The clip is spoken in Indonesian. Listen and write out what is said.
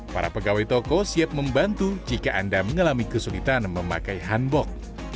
para pegawai toko siap membantu jika anda mengalami kesulitan memakai hanbok